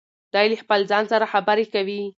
دی له خپل ځان سره خبرې کوي.